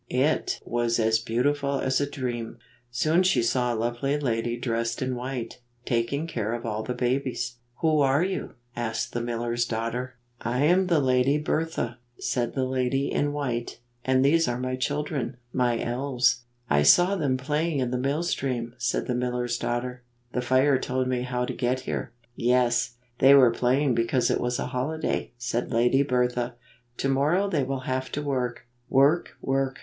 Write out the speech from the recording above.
It was as beautiful as a dream. Soon she saw a lovely lady dressed in white, taking care of all the babies. ''Who are you?" asked the miller's daughter. 20 21 " I am the Lady Bertha," said the lady in white; "and these are my children, my elves." "I saw them playing in the mill stream," said the miller's daughter. "The fire told me how to get here." "Yes! Th.ey were playing because it was a holiday," said Lady Bertha. "To morrow they will have to work." "Work! Work!"